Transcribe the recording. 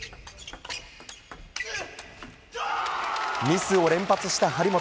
ミスを連発した張本。